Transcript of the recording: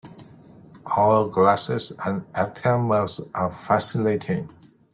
Hourglasses and egg timers are fascinating.